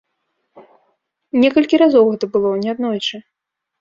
Некалькі разоў гэта было, неаднойчы.